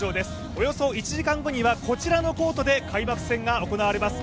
およそ１時間後にはこちらのコートで開幕戦が行われます。